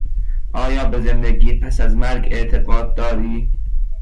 آیا به زندگی پس از مرگ اعتقاد داری؟